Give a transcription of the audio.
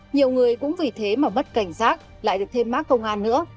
nhiều người cũng vì thế mà mất cảnh giác lại được thêm mác công an nữa